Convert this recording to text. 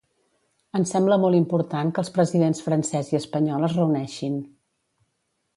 Ens sembla molt important que els presidents francès i espanyol es reuneixin.